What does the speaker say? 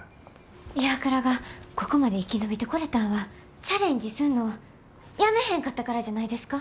ＩＷＡＫＵＲＡがここまで生き延びてこれたんはチャレンジすんのをやめへんかったからじゃないですか？